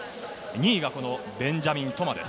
２位がベンジャミン・トマです。